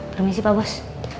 permisi pak bos